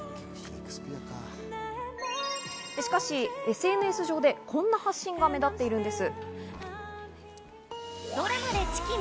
しかし、ＳＮＳ上でこんな発信が目立っているんです。